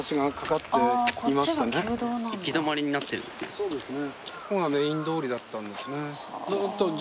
そうですね。